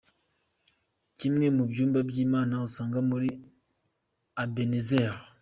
Kimwe mu byumba by'inama usanga muri Ebenezer.